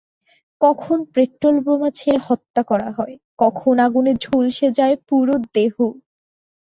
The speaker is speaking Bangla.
কখন পেট্রলবোমা ছুড়ে হত্যা করা হয়, কখন আগুনে ঝলসে যায় পুরো দেহ।